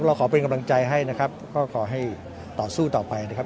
เราขอเป็นกำลังใจให้นะครับก็ขอให้ต่อสู้ต่อไปนะครับ